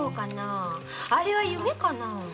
あれは夢かな。